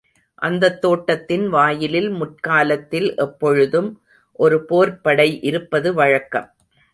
அந்தத் தோட்டத்தின் வாயிலில் முற்காலத்தில் எப்பொழுதும் ஒரு போர்ப்படை இருப்பது வழக்கம்.